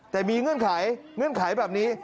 แต่มีเงื่อนไขเงื่อนไขแบบนี้